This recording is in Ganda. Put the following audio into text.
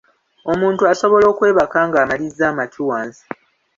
Omuntu asobola okwebaka ng’amalizza amatu wansi.